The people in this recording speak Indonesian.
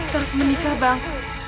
terus menikah bang